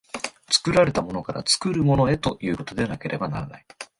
作られたものから作るものへということでなければならない。